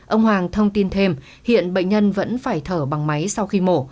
ông hoàng thông tin thêm hiện bệnh nhân vẫn phải thở bằng máy sau khi mổ